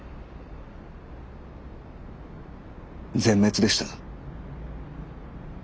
全滅でした。